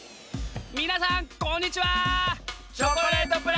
みなさんこんにちは！